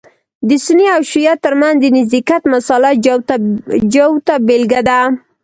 د سني او شعیه تر منځ د نزدېکت مسأله جوته بېلګه ده.